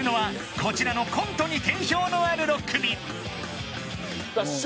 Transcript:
こちらのコントに定評のある６組さあ師匠